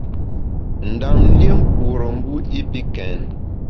Ndam lié nkure mbu i pi kèn.